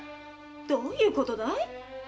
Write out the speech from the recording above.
どういうことだい？